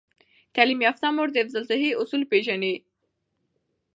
تعلیم یافته مور د حفظ الصحې اصول پیژني۔